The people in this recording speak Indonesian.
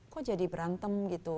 kok jadi berantem gitu